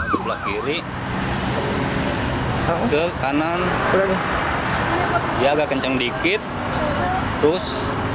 sebelah kiri ke kanan dia agak kencang dikit terus